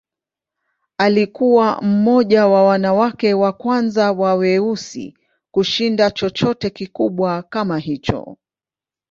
Alikuwa mmoja wa wanawake wa kwanza wa weusi kushinda chochote kikubwa kama hicho.